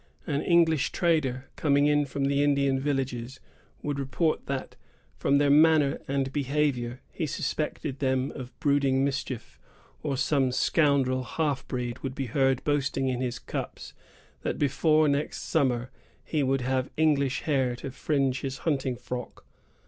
An English trader, coming in from the Indian villages, would report that, from their manner and behavior, he suspected them of brooding mischief; or some scoundrel half breed would be heard boasting in his cups that before next summer he would have English hair to fringe his hunting frock.